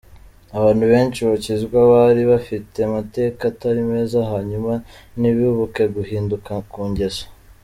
Abantu benshi bakizwa bari bafite amateka atari meza hanyuma ntibibuke guhinduka ku ngeso.